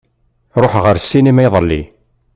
Ṛuḥeɣ ar ssinima iḍelli.